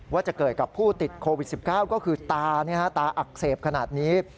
ว่าจะเกิดกับผู้ติดโควิด๑๙ก็คือตาตาอักเสบขนาดนี้